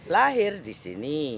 lahir di sini